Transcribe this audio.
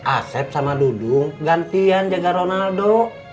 asep sama dudung gantian jaga ronaldo